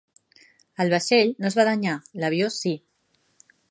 El vaixell no es va danyar, l'avió sí.